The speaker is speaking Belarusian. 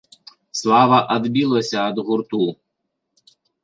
Слава адбілася ад гурту.